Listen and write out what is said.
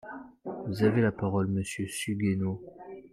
Vous avez la parole, monsieur Suguenot.